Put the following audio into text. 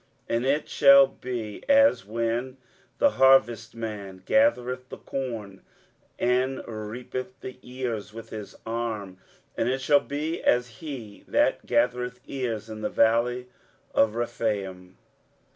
23:017:005 And it shall be as when the harvestman gathereth the corn, and reapeth the ears with his arm; and it shall be as he that gathereth ears in the valley of Rephaim.